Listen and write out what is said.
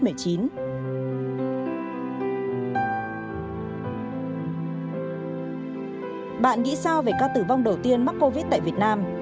bạn nghĩ sao về ca tử vong đầu tiên mắc covid tại việt nam